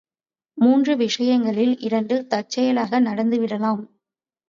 மூன்று விஷயங்களில் இரண்டு தற்செயலாக நடந்து விடலாம்.